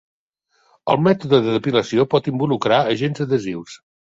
El mètode de depilació pot involucrar agents adhesius.